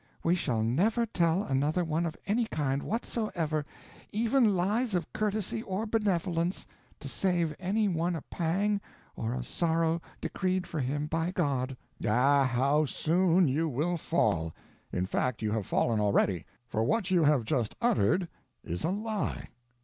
We shall never tell another one of any kind whatsoever, even lies of courtesy or benevolence, to save any one a pang or a sorrow decreed for him by God." "Ah, how soon you will fall! In fact, you have fallen already; for what you have just uttered is a lie.